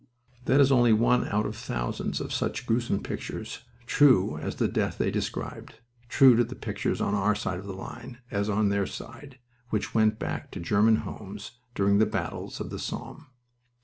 That is only one out of thousands of such gruesome pictures, true as the death they described, true to the pictures on our side of the line as on their side, which went back to German homes during the battles of the Somme.